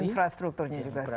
infrastrukturnya juga siap